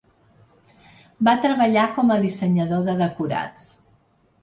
Va treballar com a dissenyador de decorats.